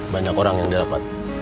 banyak orang yang dapat